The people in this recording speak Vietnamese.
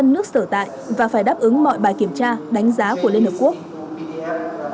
và phải đáp ứng mọi bài kiểm tra đánh giá của liên hợp quốc